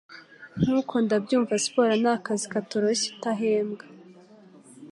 Nkuko Ndabyumva, siporo nakazi katoroshye utahembwa.